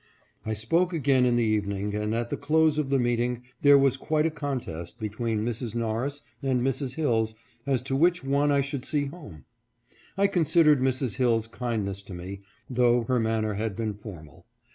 I spoke again in the evening, and at the close of the meeting there was quite a contest between Mrs. Norris and Mrs. Hilles as to which one I should see home. I considered Mrs. Hilles' kindness to me, though her manner had been formal.